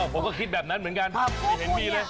ผมก็คิดแบบนั้นเหมือนกันไม่เห็นมีเลย